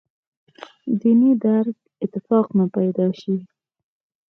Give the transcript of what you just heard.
دیني درک اتفاق نه پیدا شي.